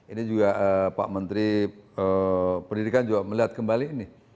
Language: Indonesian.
ini juga pak menteri pendidikan juga melihat kembali ini